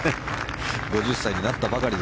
５０歳になったばかり。